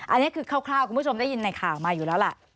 อันนี้คือคร่าวคุณผู้ชมได้ยินในข่าวมาอยู่แล้วล่ะ